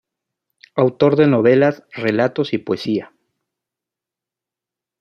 Autor de novelas, relatos y poesía.